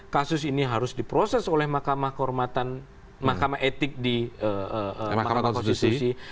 kasus ini harus diproses oleh mahkamah etik di mahkamah konstitusi